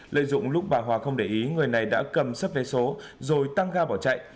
lợi dụng lúc bà hòa không để ý người này đã cầm sắp vé số rồi tăng ga bỏ chạy